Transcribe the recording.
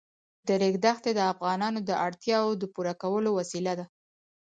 د ریګ دښتې د افغانانو د اړتیاوو د پوره کولو وسیله ده.